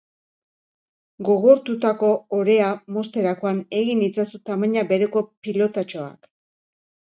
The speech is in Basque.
Gogortutako orea mozterakoan egin itzazu tamaina bereko pilotatxoak.